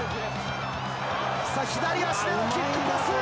さあ、左足でのキックパス。